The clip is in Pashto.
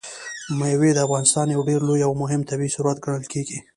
مېوې د افغانستان یو ډېر لوی او مهم طبعي ثروت ګڼل کېږي.